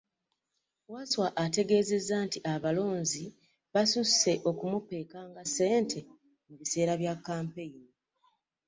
Wasswa ategeezezza nti abalonzi basusse okumupeekanga ensimbi mu biseera bya kkampeyini